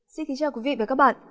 xin kính chào quý vị và các bạn